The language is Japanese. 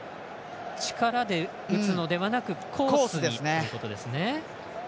力で打つのではなくコースに打つということですね。